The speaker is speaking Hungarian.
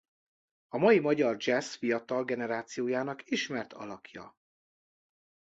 A mai magyar dzsessz fiatal generációjának ismert alakja.